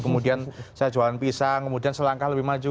kemudian saya jualan pisang kemudian selangkah lebih maju